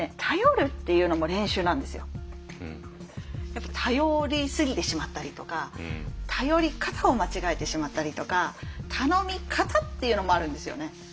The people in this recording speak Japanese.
やっぱ頼り過ぎてしまったりとか頼り方を間違えてしまったりとか頼み方っていうのもあるんですよね。